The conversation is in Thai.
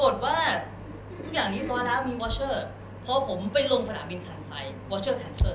ทางที่ผมบุ๊บเงินเป็นลหารี่หลอด